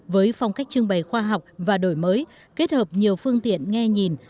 với phong cách trưng bày khoa học và đổi mới kết hợp nhiều phương tiện nghe nhìn